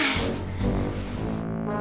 ah apaan itu